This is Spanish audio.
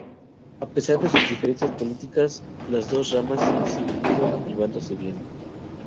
A pesar de sus diferencias políticas, las dos ramas siguieron llevándose bien.